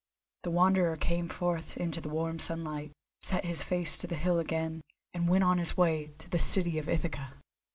The Wanderer came forth into the warm sunlight, set his face to the hill again, and went on his way to the city of Ithaca.